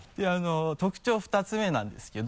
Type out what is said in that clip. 特徴２つ目なんですけど。